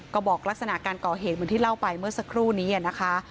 ก็บอกลักษณะการก่อเหตุเหมือนที่เล่าไปเมื่อสักครู่นี้นะคะ